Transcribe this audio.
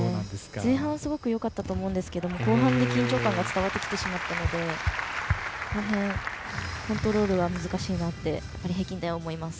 前半、すごくよかったと思うんですが後半で緊張感が伝わってきてしまったのでこの辺、コントロールは難しいなってやはり平均台は思います。